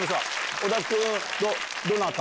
小田君、どなた？